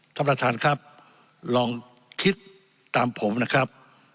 ท่านประธานครับลองคิดตามผมนะครับ